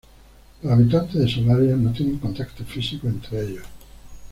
Los habitantes de Solaria no tienen contacto físico entre ellos.